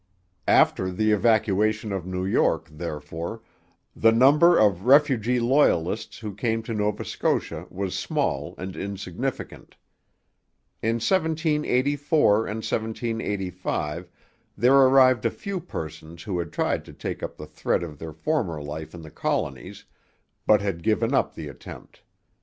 After the evacuation of New York, therefore, the number of refugee Loyalists who came to Nova Scotia was small and insignificant. In 1784 and 1785 there arrived a few persons who had tried to take up the thread of their former life in the colonies, but had given up the attempt.